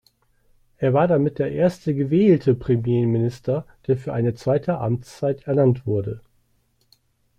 Er war damit der erste "gewählte" Premierminister, der für eine zweite Amtszeit ernannt wurde.